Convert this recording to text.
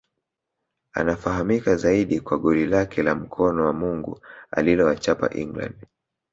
Anafahamika zaidi kwa goli lake la mkono wa Mungu alilowachapa England